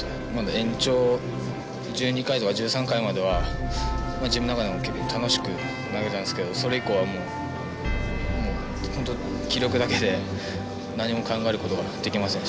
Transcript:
延長１２回とか１３回までは自分の中でも結構楽しく投げたんですけどそれ以降はもう本当気力だけで何も考えることができませんでした。